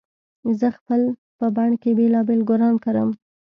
زه خپل په بڼ کې بېلابېل ګلان کرم